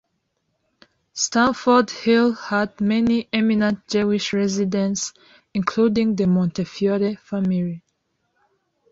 Stamford Hill had many eminent Jewish residents, including the Montefiore family.